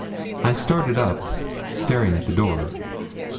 I started up, staring at the door.